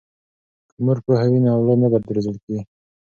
که مور پوهه وي نو اولاد نه بد روزل کیږي.